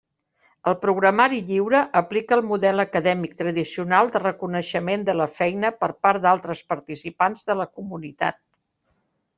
El programari lliure aplica el model acadèmic tradicional de reconeixement de la feina per part d'altres participants de la comunitat.